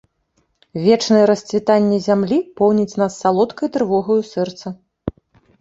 Вечнае расцвітанне зямлі поўніць нас салодкай трывогаю сэрца.